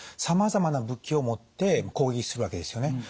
さまざまな武器を持って攻撃するわけですよね。